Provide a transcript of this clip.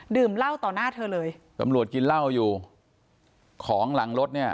เล่าต่อหน้าเธอเลยตำรวจกินเหล้าอยู่ของหลังรถเนี่ย